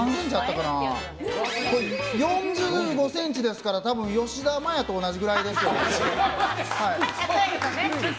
４５ｃｍですから多分、吉田麻也と同じくらいですよね。